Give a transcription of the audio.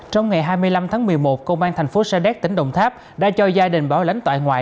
trong ngày hai mươi năm tháng một mươi một công an tp sa đéc tỉnh đồng tháp đã cho gia đình bảo lãnh tội ngoại